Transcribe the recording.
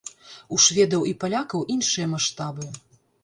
У шведаў і палякаў іншыя маштабы.